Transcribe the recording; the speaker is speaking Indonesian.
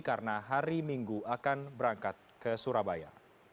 karena hari minggu akan berangkat ke surabaya